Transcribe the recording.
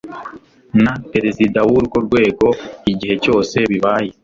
na Perezida w urwo rwego igihe cyose bibaye